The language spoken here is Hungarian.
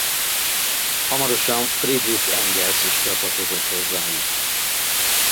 Hamarosan Friedrich Engels is csatlakozott hozzájuk.